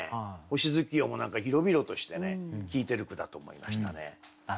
「星月夜」も何か広々としてね効いてる句だと思いましたね。